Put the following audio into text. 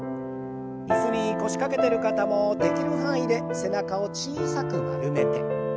椅子に腰掛けてる方もできる範囲で背中を小さく丸めて。